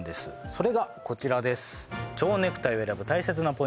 それがこちらです